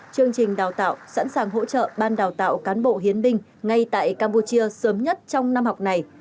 chương trình đào tạo sẵn sàng hỗ trợ ban đào tạo cán bộ hiến binh ngay tại campuchia sớm nhất trong năm học này